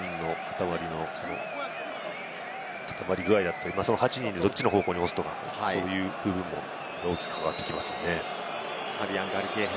８人のかたまりの固まり具合、８人でどっちの方向に押すとか、そういう部分も大きく関わってきますからね。